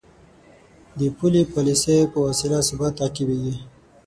د پولي پالیسۍ په وسیله ثبات تعقیبېږي.